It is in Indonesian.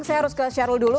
saya harus ke syahrul dulu